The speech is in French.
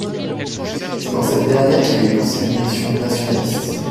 C'est dans cette dernière qu'il épouse ses convictions nationalistes.